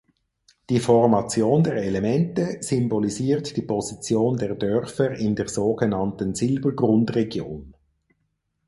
Die Formation der Elemente symbolisiert die Position der Dörfer in der sogenannten Silbergrund-Region.